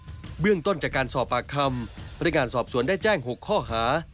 กับตำรวจเบื้องต้นจากการสอบปากคำพระงานสอบสวนได้แจ้งหกข้อหา